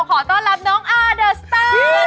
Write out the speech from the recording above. ขอต้อนรับน้องอาเดอร์สตาร์